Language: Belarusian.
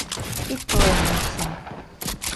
І тое, не ўся.